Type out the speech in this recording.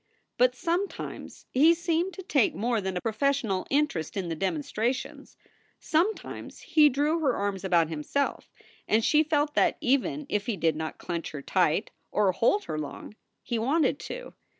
But sometimes he seemed to take more than a profes sional interest in the demonstrations. Sometimes he drew her arms about himself, and she felt that even if he did not clench her tight or hold her long, he wanted to.